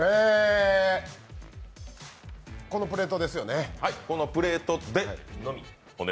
このプレートですよね。